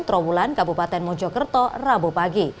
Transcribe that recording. trawulan kabupaten mojokerto rabu pagi